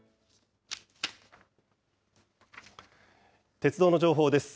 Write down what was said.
鉄道の情報です。